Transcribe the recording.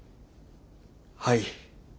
はい。